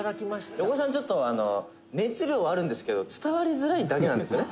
「横尾さん、ちょっと熱量はあるんですけど伝わりづらいだけなんですよね」